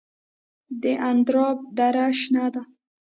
د اندراب دره شنه ده